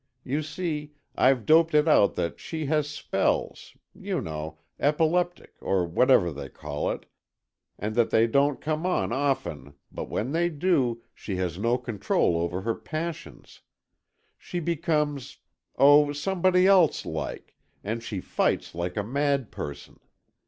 You see, I've doped it out that she has spells—you know, epileptic, or whatever they call it, and that they don't come on often, but when they do, she has no control over her passions. She becomes—oh, somebody else, like—and she fights like a mad person.